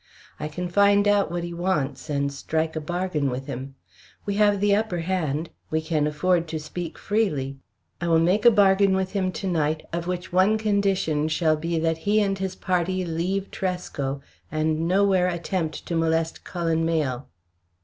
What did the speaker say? I can find out what he wants, and strike a bargain with him. We have the upper hand, we can afford to speak freely. I will make a bargain with him to night, of which one condition shall be that he and his party leave Tresco and nowhere attempt to molest Cullen Mayle."